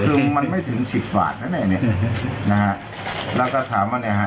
คือมันไม่ถึงสิบบาทนะแม่เนี้ยนะฮะแล้วก็ถามว่าเนี่ยฮะ